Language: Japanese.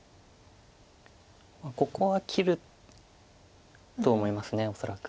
ここは切ると思います恐らく。